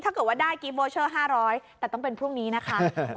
ถ้าเกิดว่าได้กิฟเวอร์เชอร์๕๐๐แต่ต้องเป็นพรุ่งนี้นะคะ